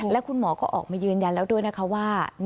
และคุณหมอก็ออกมายืนยันแล้วด้วยนะคะว่า